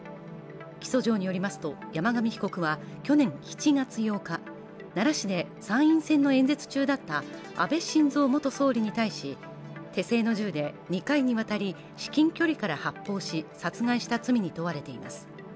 起訴状によりますと、山上被告は去年７月８日奈良市で参院選の演説宙だった安倍晋三元総理に対し手製の銃で２回にわたり至近距離から発砲し、殺害した罪に問われています。